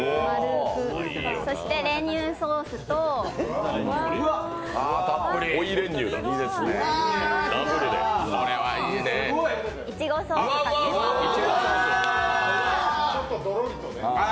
そして練乳ソースといちごソースをかけます。